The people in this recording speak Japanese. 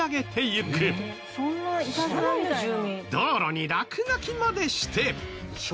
道路に落書きまでして。